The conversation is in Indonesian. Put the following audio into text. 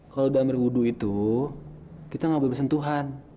kalo udah amir wudhu itu kita gak boleh bersentuhan